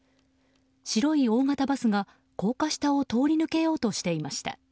白い大型バスが高架下を通り抜けようとしていました。